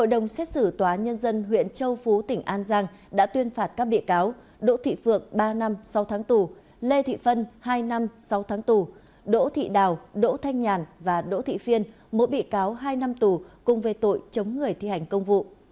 hội đồng xét xử tòa nhân dân huyện châu phú tỉnh an giang đã tuyên phạt các bị cáo đỗ thị phượng ba năm sáu tháng tù lê thị phân hai năm sáu tháng tù đỗ thị đào đỗ thanh nhàn và đỗ thị phiên mỗi bị cáo hai năm tù cùng về tội chống người thi hành công vụ